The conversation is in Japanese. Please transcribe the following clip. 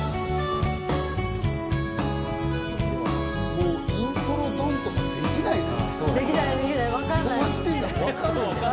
もう、イントロドン！とかできないな。